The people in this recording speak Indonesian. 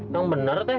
yang bener teh